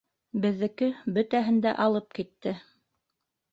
Беҙҙеке бөтәһен дә алып китте.